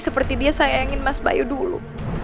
seperti dia sayangin mas bayu dulu